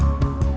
liat dong liat